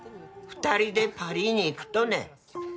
２人でパリに行くとね。